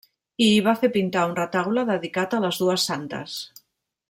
I hi va fer pintar un retaule dedicat a les dues santes.